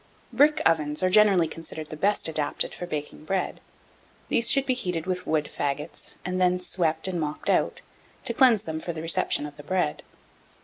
1703. Brick ovens are generally considered the best adapted for baking bread: these should be heated with wood faggots, and then swept and mopped out, to cleanse them for the reception of the bread.